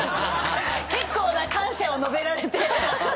結構な感謝を述べられて。